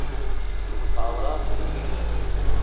هاوڕات نیم.